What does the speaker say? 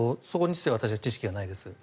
そこについては知識がないです。